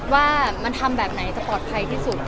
ว่ามันทำแบบไหนจะปลอดภัยที่สุด